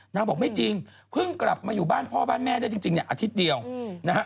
บอกไม่จริงเพิ่งกลับมาอยู่บ้านพ่อบ้านแม่ได้จริงเนี่ยอาทิตย์เดียวนะฮะ